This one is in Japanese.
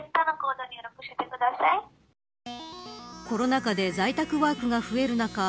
コロナ禍で在宅ワークが増える中